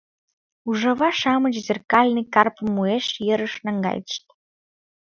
Ужава-шамыч зеркальный карпым уэш ерыш наҥгайышт.